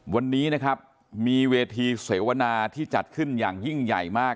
วันนี้นะครับมีเวทีเสวนาที่จัดขึ้นอย่างยิ่งใหญ่มาก